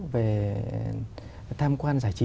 về tham quan giải trí